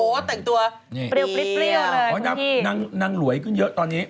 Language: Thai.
โอ้โหแต่งตัวเปรี้ยวปริ้วเลยน้ำหลวยขึ้นเยอะตอนนี้